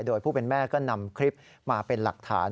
โดยผู้เป็นแม่ก็นำคลิปมาเป็นหลักฐาน